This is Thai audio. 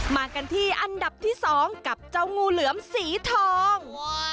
มากันที่อันดับที่๒กับเจ้างูเหลือมสีทอง